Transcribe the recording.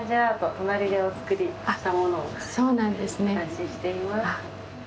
隣でお作りしたものをお出ししています。